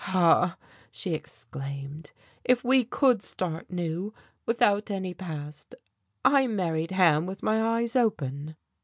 "Ah," she exclaimed, "if we could start new, without any past. I married Ham with my eyes open."